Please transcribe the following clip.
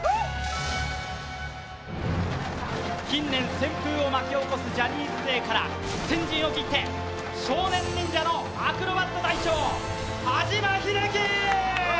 近年旋風を巻き起こすジャニーズ勢から先陣を切って、少年忍者のアクロバット隊長・安嶋秀生！